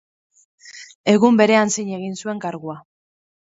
Egun berean zin egin zuen kargua.